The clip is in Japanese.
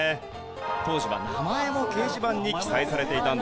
当時は名前も掲示板に記載されていたんです。